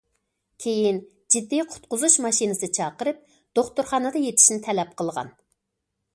كېيىن جىددىي قۇتقۇزۇش ماشىنىسى چاقىرىپ دوختۇرخانىدا يېتىشنى تەلەپ قىلغان.